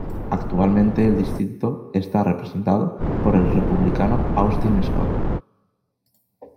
Actualmente el distrito está representado por el Republicano Austin Scott.